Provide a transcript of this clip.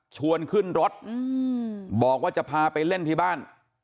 ชวนขึ้นรถบอกว่าจะพาไปเล่นที่บ้าน